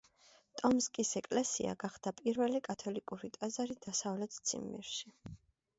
ტომსკის ეკლესია გახდა პირველი კათოლიკური ტაძარი დასავლეთ ციმბირში.